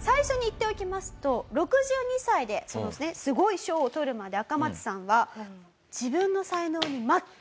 最初に言っておきますと６２歳でそのすごい賞を取るまでアカマツさんは自分の才能に全く気づきません。